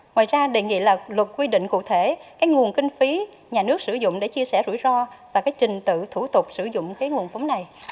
ngoài ra đề nghị là luật quy định cụ thể cái nguồn kinh phí nhà nước sử dụng để chia sẻ rủi ro và cái trình tự thủ tục sử dụng cái nguồn phóng này